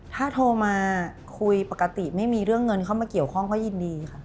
ถ้าโทรมาคุยปกติไม่มีเรื่องเงินเข้ามาเกี่ยวข้องก็ยินดีค่ะ